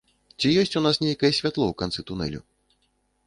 Ці ёсць у нас нейкае святло ў канцы тунелю?